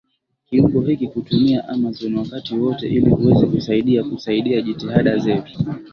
kiungo hiki kutumia Amazon wakati wowote ili uweze kusaidia kusaidia jitihada zetu